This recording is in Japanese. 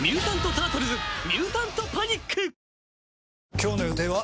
今日の予定は？